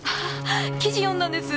記事読んだんです。